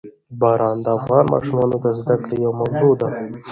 باران د افغان ماشومانو د زده کړې یوه موضوع ده.